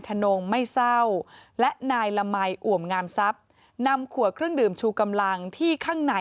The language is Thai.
นงไม่เศร้าและนายละมัยอ่วมงามทรัพย์นำขวดเครื่องดื่มชูกำลังที่ข้างใน